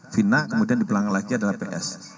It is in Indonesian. fina kemudian di belakang lagi adalah ps